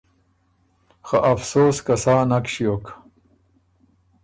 خه افسوس که سا نک ݭیوک